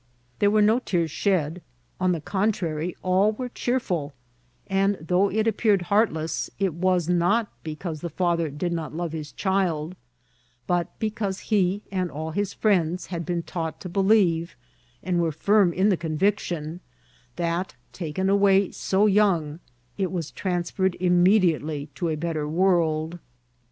There were no tears shed ; on the contrary, all were cheerful ; and though it appeared heartless, it was not because the father did not love his child, but be cause he and all his friends had been taught to belieyCi and were firm in the conviction, that, taken away so young, it was transferred immediately to a better world.